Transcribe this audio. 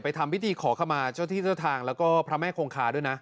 ทำพิธีขอขมาเจ้าที่เจ้าทางแล้วก็พระแม่คงคาด้วยนะ